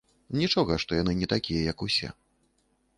Нічога, што яны не такія, як усе.